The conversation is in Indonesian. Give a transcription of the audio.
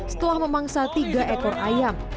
setelah memangsa tiga ekor ayam